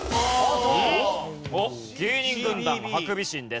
おっ芸人軍団はハクビシンです。